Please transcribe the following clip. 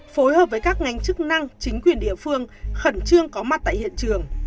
phối hợp với các ngành chức năng chính quyền địa phương khẩn trương có mặt tại hiện trường